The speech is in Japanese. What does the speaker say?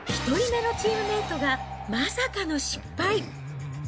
１人目のチームメートがまさかの失敗。